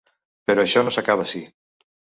Però això no s’acaba ací.